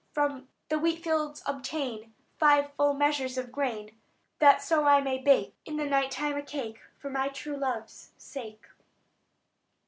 From the wheatfields obtain Five full measures of grain, That so I may bake In the night time a cake, For my true love's sake."